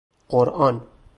قرآن